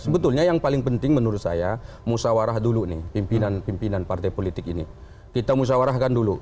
sebetulnya yang paling penting menurut saya musawarah dulu nih pimpinan pimpinan partai politik ini kita musyawarahkan dulu